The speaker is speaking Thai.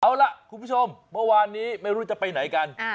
เอาล่ะคุณผู้ชมเมื่อวานนี้ไม่รู้จะไปไหนกัน